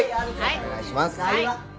お願いします。